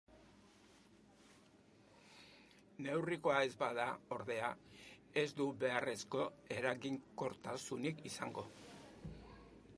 Neurrikoa ez bada, ordea, ez du beharrezko eraginkortasunik izango.